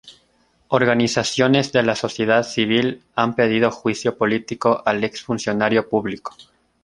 Organizaciones de la sociedad civil han pedido juicio político al ex funcionario público.